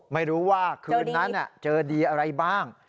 ไม่รู้ว่าคืนนั้นเจอดีอะไรบ้าง